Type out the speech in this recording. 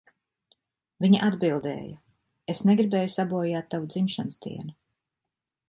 Viņa atbildēja, "Es negribēju sabojāt tavu dzimšanas dienu."